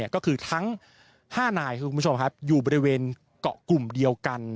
ก็คือทั้ง๕นายอยู่บริเวณเกาะกลุ่มเดียวกัน